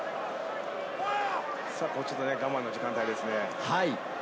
我慢の時間帯ですね。